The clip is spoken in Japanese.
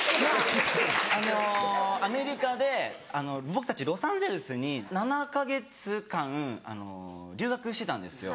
アメリカで僕たちロサンゼルスに７か月間留学してたんですよ。